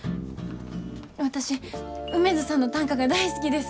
私梅津さんの短歌が大好きです。